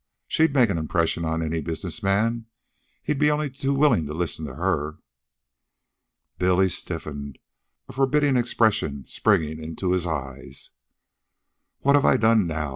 She'd make an impression on any business man. He'd be only too willing to listen to her." Billy stiffened, a forbidding expression springing into his eyes. "What have I done now?"